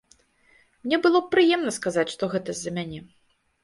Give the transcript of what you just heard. Мне было б прыемна сказаць, што гэта з-за мяне.